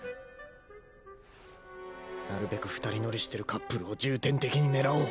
なるべく二人乗りしてるカップルを重点的に狙おう。